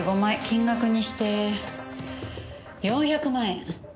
金額にして４００万円。